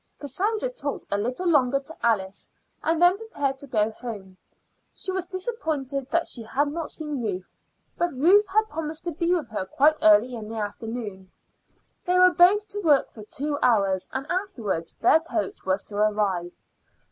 Cassandra talked a little longer to Alice, and then prepared to go home. She was disappointed that she had not seen Ruth; but Ruth had promised to be with her quite early in the afternoon. They were both to work for two hours, and afterwards their coach was to arrive.